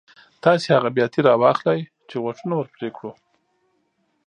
تاسې هغه بیاتي را واخلئ چې غوږونه ور پرې کړو.